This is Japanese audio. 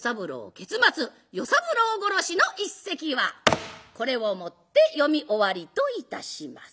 結末「与三郎殺し」の一席はこれをもって読み終わりといたします。